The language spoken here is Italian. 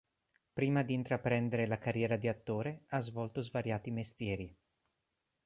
Prima di intraprendere la carriera di attore, ha svolto svariati mestieri.